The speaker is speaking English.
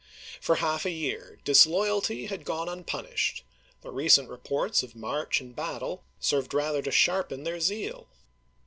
For half a year disloyalty had gone unpunished ; the recent reports of march and battle served rather to sharpen their zeal.